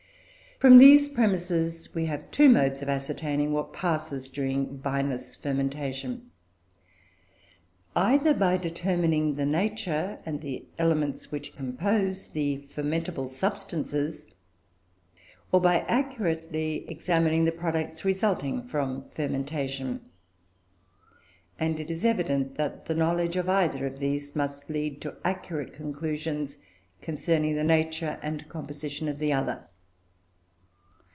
From these premisses we have two modes of ascertaining what passes during vinous fermentation: either by determining the nature of, and the elements which compose, the fermentable substances; or by accurately examining the products resulting from fermentation; and it is evident that the knowledge of either of these must lead to accurate conclusions concerning the nature and composition of the other.